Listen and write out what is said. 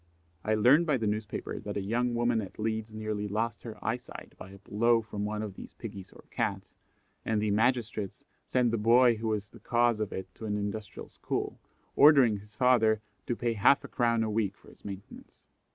I learn by the newspaper that a young woman at Leeds nearly lost her eye sight by a blow from one of these piggies or cats, and the magistrates sent the boy who was the cause of it to an industrial school, ordering his father to pay half a crown a week for his maintenance.